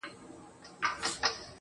وې ليـــــدم مسکۍ شوه رو يې وويل